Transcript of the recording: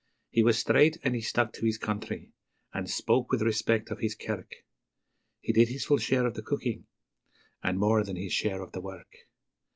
He was straight and he stuck to his country and spoke with respect of his kirk; He did his full share of the cooking, and more than his share of the work.